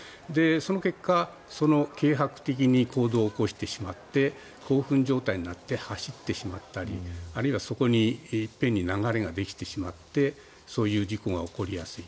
その結果軽薄的に行動を起こしてしまって興奮状態になって走ってしまったりあるいはそこに一篇に流れができてしまってそういう事故が起こりやすい。